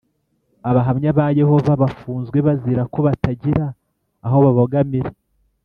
Abahamya ba Yehova bafunzwe bazira ko batagira aho babogamira